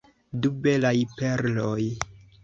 Du belaj perloj!